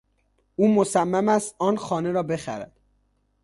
او مصمم است آن خانه را بخرد.